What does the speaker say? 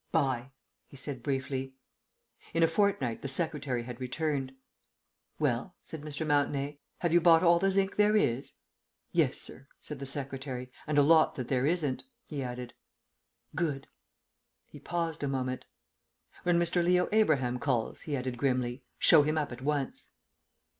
"Buy!" he said briefly. In a fortnight the secretary had returned. "Well," said Mr. Mountenay, "have you bought all the zinc there is?" "Yes, sir," said the secretary. "And a lot that there isn't," he added. "Good!" He paused a moment. "When Mr. Leo Abraham calls," he added grimly, "show him up at once."